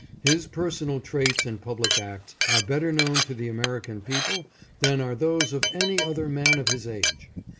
His personal traits and public acts are better known to the American people than are those of any other man of his age.